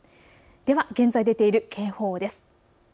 では、現在出ている警報です。